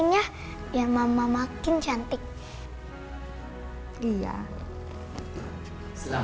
buat nailah yang sudah mendatangkan kesengsaraan